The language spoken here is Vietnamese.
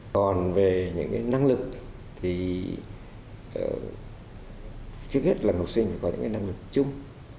còn về những cái năng lực thì trước hết là học sinh phải có những năng lực chung